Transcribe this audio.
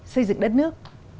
xây dựng đất nước